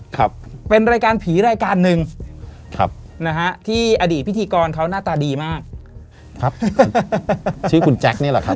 ครับเป็นรายการผีรายการหนึ่งครับนะฮะที่อดีตพิธีกรเขาหน้าตาดีมากครับชื่อคุณแจ็คนี่แหละครับ